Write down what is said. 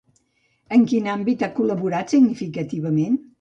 En quin àmbit ha col·laborat significativament?